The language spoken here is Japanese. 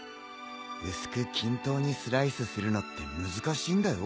薄く均等にスライスするのって難しいんだよ。